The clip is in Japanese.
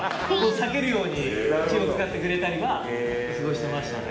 避けるように気を遣ってくれたりはすごいしてましたね。